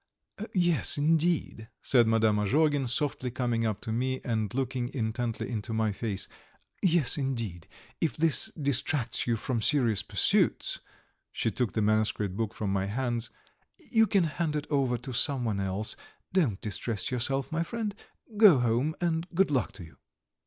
"Yes, indeed," said Madame Azhogin, softly coming up to me and looking intently into my face. "Yes, indeed, if this distracts you from serious pursuits" she took the manuscript book from my hands "you can hand it over to someone else; don't distress yourself, my friend, go home, and good luck to you."